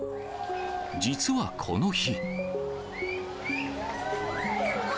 実はこの日。